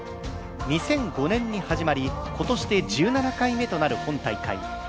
２００５年に始まり、今年で１７回目となる本大会